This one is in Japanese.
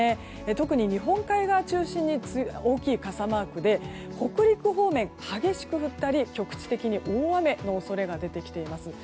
特に日本海側中心に大きい傘マークで北陸方面、激しく降ったり局地的に大雨の恐れが出てきています。